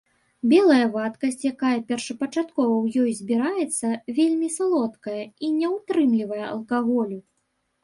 Белая вадкасць, якая першапачаткова ў ёй збіраецца, вельмі салодкая і не ўтрымлівае алкаголю.